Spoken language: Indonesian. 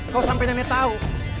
kau sampai nenek tau